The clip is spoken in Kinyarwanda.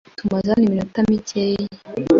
Tumaze hano iminota mike.